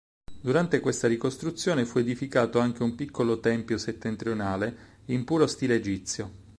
Durante questa ricostruzione fu edificato anche un piccolo tempio settentrionale in puro stile egizio.